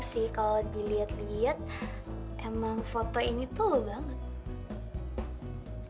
eh tapi kalau dilihat lihat memang foto ini itu kamu